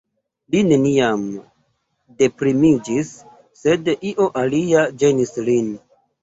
Li neniam deprimiĝis, sed io alia ĝenis lin.